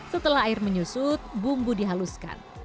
setelah air menyusut bumbu dihaluskan